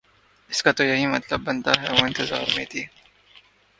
اس کا تو یہی مطلب بنتا ہے وہ انتظار میں تھی